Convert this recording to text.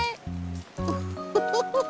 ウフフフ。